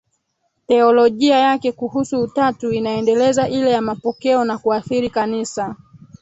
Teolojia yake kuhusu Utatu inaendeleza ile ya mapokeo na kuathiri Kanisa